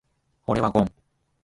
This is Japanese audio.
俺はゴン。